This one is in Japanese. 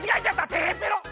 てへぺろ！